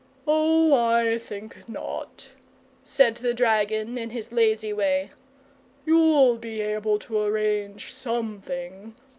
"Oh, I think not," said the dragon in his lazy way. "You'll be able to arrange something.